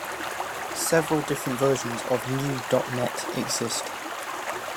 Several different versions of NewDotNet exist.